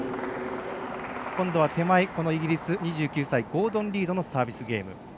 今度は手前、イギリス２９歳ゴードン・リードのサービスゲーム。